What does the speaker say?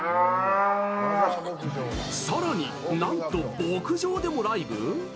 さらになんと牧場でもライブ！？